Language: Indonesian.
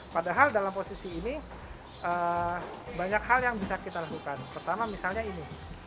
padahal dalam posisi ini banyak hal yang bisa kita lakukan pertama misalnya ini